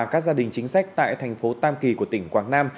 các gia đình chính sách tại thành phố tam kỳ của tỉnh quảng nam